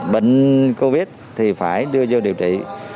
bệnh covid thì phải đưa vô điều trị